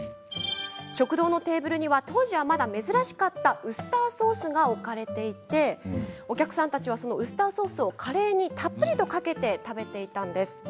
食堂のテーブルには当時はまだ珍しかったウスターソースが置かれていてお客さんたちはそのウスターソースをカレーにたっぷりとかけて食べていたんです。